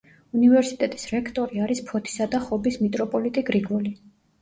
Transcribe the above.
უნივერსიტეტის რექტორი არის ფოთისა და ხობის მიტროპოლიტი გრიგოლი.